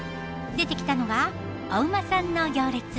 出てきたのがお馬さんの行列。